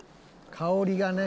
香りがね。